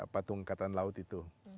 patung angkatan laut itu